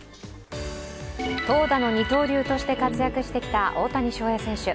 投打の二刀流として活躍してきた大谷翔平選手。